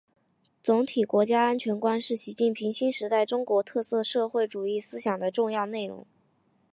总体国家安全观是习近平新时代中国特色社会主义思想的重要内容